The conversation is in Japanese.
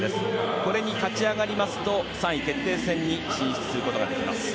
これに勝ち上がりますと３位決定戦に進出することができます。